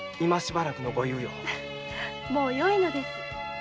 もうよいのです。